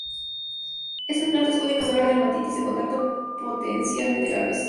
Estas plantas pueden causar dermatitis de contacto potencialmente graves.